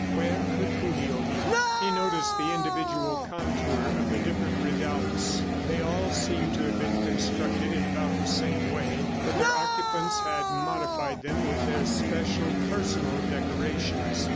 Where could Julio be? ... He noticed the individual contour of the different redoubts. They all seemed to have been constructed in about the same way, but their occupants had modified them with their special personal decorations.